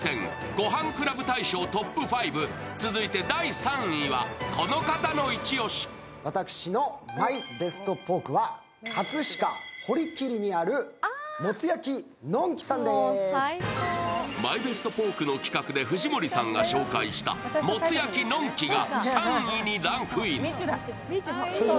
ごはんクラブ大賞ＴＯＰ５続いて第３位はこの方のイチオシ私のＭＹＢＥＳＴポークはＭＹＢＥＳＴポークの企画で藤森さんが紹介したもつ焼のんきが３位にランクイン